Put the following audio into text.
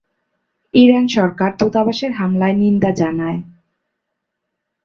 Iran সরকার দূতাবাসের হামলায় নিন্দা জানায়।